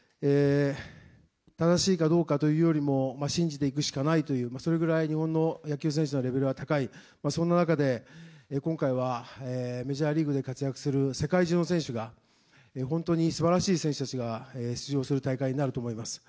正しいかどうかというよりも、信じていくしかないという、それぐらい日本の野球選手のレベルは高い、そんな中で、今回はメジャーリーグで活躍する世界中の選手が、本当にすばらしい選手たちが出場する大会になると思います。